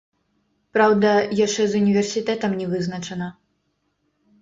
Праўда, яшчэ з універсітэтам не вызначана.